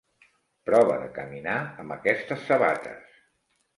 Prova de caminar amb aquestes sabates.